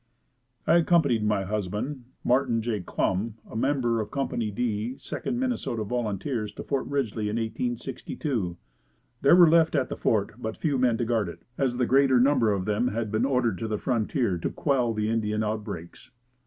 I accompanied my husband, Martin Jay Clum, a member of Company "D," Second Minnesota Volunteers to Fort Ridgely in 1862. There were left at the fort but few men to guard it, as the greater number of them had been ordered to the frontier to quell the Indian outbreaks.